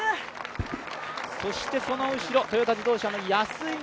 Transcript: そしてその後ろ、トヨタ自動車の安井が。